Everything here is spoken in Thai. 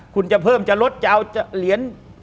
คุณจะเพิ่มจะลดจะเอาเหรียญ